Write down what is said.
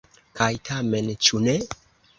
Kaj tamen, ĉu ne?